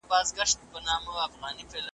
دا نظم مي .